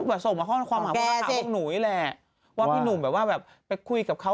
ก็ส่งมาความหาว่าพวกหนูนี่แหละว่าพี่หนุ่มแบบไปคุยกับเขา